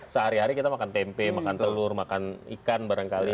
sehari hari kita makan tempe makan telur makan ikan barangkali